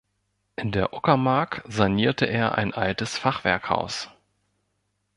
In der Uckermark sanierte er ein altes Fachwerkhaus.